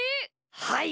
はい。